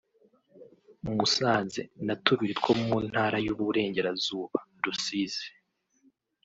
Musanze) na tubiri two mu Ntara y’Uburengerazuba (Rusizi